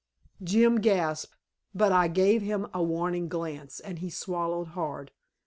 Jim gasped, but I gave him a warning glance, and he swallowed hard.